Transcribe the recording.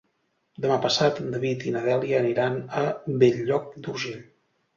Demà passat en David i na Dèlia aniran a Bell-lloc d'Urgell.